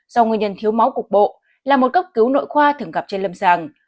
do nguyên nhân thiếu máu cục bộ là một cấp cứu nội khoa thường gặp trên lâm sàng